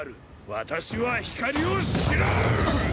私は光を知らぬ！